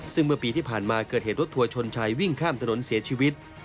ซึ่งเมื่อปีที่ผ่านมาเกิดเหตุรถทัวร์ชนชายวิ่งข้ามถนนเสียชีวิต